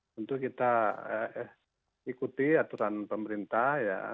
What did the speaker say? tentu kita ikuti aturan pemerintah ya